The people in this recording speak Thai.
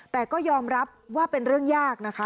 แต่ก็ยอมรับว่าเป็นเรื่องยากนะคะ